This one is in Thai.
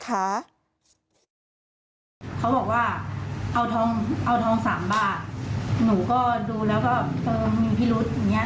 เขาบอกว่าเอาทองเอาทองสามบาทหนูก็ดูแล้วก็มีพิรุษอย่างเงี้